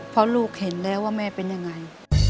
เพราะลูกเห็นแล้วว่าแม่เป็นยังไง